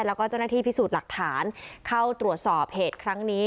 แล้วก็เจ้าหน้าที่พิสูจน์หลักฐานเข้าตรวจสอบเหตุครั้งนี้